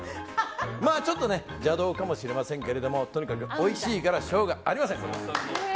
ちょっと邪道かもしれませんがとにかくおいしいからしょうがありません！